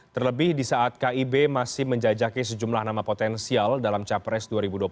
terlebih di saat kib masih menjajaki sejumlah nama potensial dalam capres dua ribu dua puluh